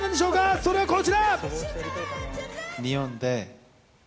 それはこちら。